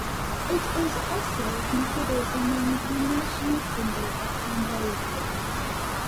It is also considered among the national symbols of Cambodia.